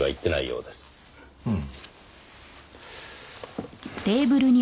うん。